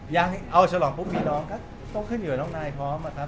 ยังเอาฉลองปุ๊บมีน้องก็ต้องขึ้นอยู่กับน้องนายพร้อมอะครับ